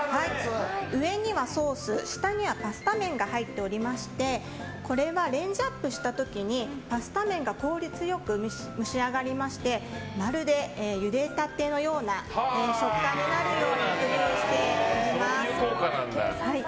上にはソース下にはパスタ麺が入っていましてこれはレンジアップした時にパスタ麺が効率よく蒸しあがりましてまるでゆでたてのような食感になるように工夫しています。